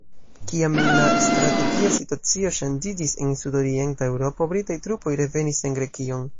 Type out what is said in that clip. Kiam la strategia situacio ŝanĝiĝis en sudorienta Eŭropo, Britaj trupoj revenis en Grekion.